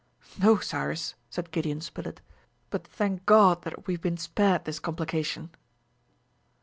"No, Cyrus!" said Gideon Spilett, "but thank God that we have been spared this complication!"